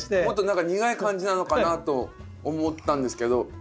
もっと何か苦い感じなのかなと思ったんですけど。